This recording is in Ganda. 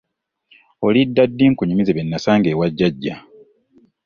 Olidda ddi nkunyumize bye nasanga ewa jjajja?